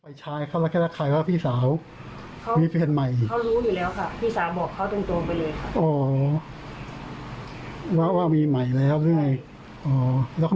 ไปใช้เขาแล้วแค่ละใครว่าพี่สาวมีเพลงใหม่เขารู้อยู่แล้วค่ะ